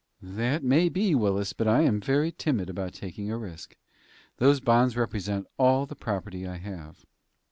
"That may be, Willis, but I am very timid about taking a risk. Those bonds represent all the property I have."